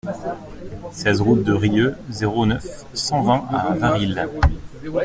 seize route de Rieux, zéro neuf, cent vingt à Varilhes